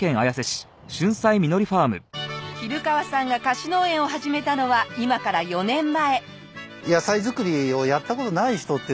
比留川さんが貸し農園を始めたのは今から４年前。